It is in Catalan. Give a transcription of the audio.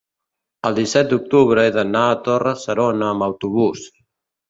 el disset d'octubre he d'anar a Torre-serona amb autobús.